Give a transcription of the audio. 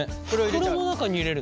袋の中に入れるの？